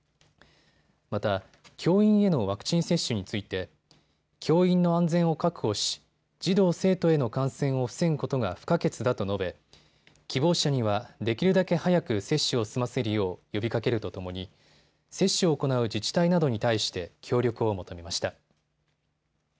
また教員へのワクチン接種について教員の安全を確保し児童生徒への感染を防ぐことが不可欠だと述べ、希望者にはできるだけ早く接種を済ませるよう呼びかけるとともに接種を行う自治体などに対して協力を求めました。